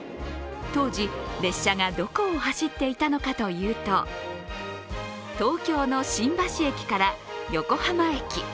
当時、列車がどこを走っていたのかというと東京の新橋駅から横浜駅。